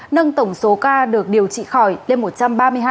nâng tổng số ca được điều trị khỏi lên một trăm ba mươi hai tám trăm một mươi năm ca